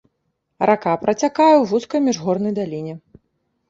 Рака працякае ў вузкай міжгорнай даліне.